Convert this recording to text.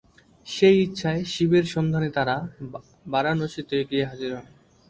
সেই ইচ্ছায় শিবের সন্ধানে তারা বারাণসীতে গিয়ে হাজির হন।